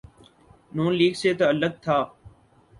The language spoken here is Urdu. نون لیگ سے تعلق تھا۔